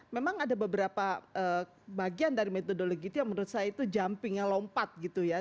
memang ada beberapa bagian dari metodologi itu yang menurut saya itu jumping yang lompat gitu ya